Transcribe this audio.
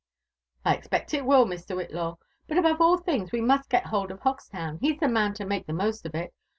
" I expect it will, Mr. Whitlaw. But aborve all things we must get bold of Ho^town: he's the man to make the most of it.